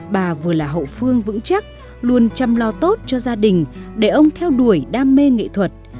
bà vừa là hậu phương vững chắc luôn chăm lo tốt cho gia đình để ông theo đuổi đam mê nghệ thuật